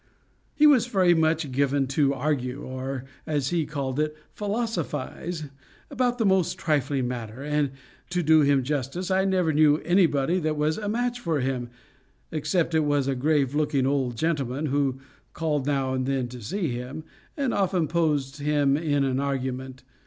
He was very much given to argue, or, as he called it, philosophize, about the most trifling matter, and to do him justice, I never knew anybody that was a match for him, except it was a grave looking old gentleman who called now and then to see him, and often posed him in an argument.